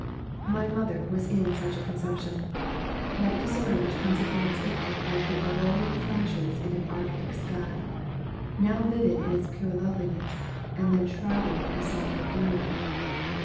My mother was in such a consumption that disorder which comes upon its victim like the Aurorean flashes in an Arctic sky, now vivid in its pure loveliness, and then shrouded in a sombre gloom.